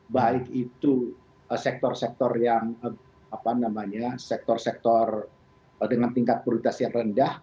baik itu sektor sektor yang apa namanya sektor sektor dengan tingkat prioritas yang rendah